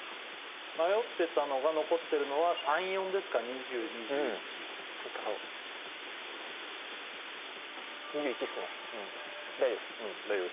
迷ってたのが残ってるのは３４ですか２０２１２１っすね